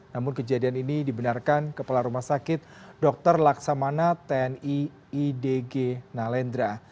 namun kejadian ini dibenarkan kepala rumah sakit dr laksamana tni idg nalendra